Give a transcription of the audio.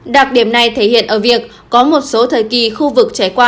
đặc điểm này thể hiện ở việc có một số thời kỳ khu vực trải qua